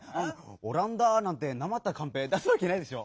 「おらんだ」なんてなまったカンペ出すわけないでしょ？